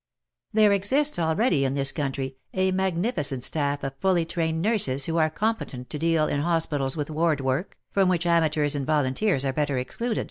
There exists already in this country a magnificent staff of fully trained nurses who are competent to deal in hospitals with ward work — from which amateurs and volunteers are better excluded.